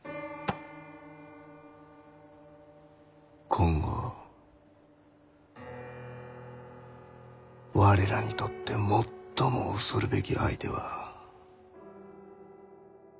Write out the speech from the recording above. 今後我らにとって最も恐るべき相手は。